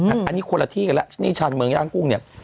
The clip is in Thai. อันนี้คนละที่กันแล้วนี่ชาญเมืองย่างกุ้งเนี่ย